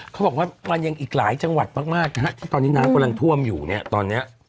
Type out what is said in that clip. เขาบอกว่ามันยังอีกหลายจังหวัดมากมากนะฮะที่ตอนนี้น้ำกำลังท่วมอยู่เนี่ยตอนเนี้ย